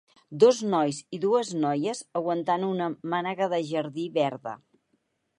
Dos nois i dues noies aguantant una mànega de jardí verda.